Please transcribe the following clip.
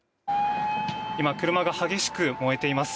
今車が激しく燃えています。